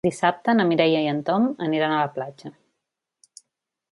Dissabte na Mireia i en Tom aniran a la platja.